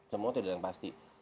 semua tidak yang pasti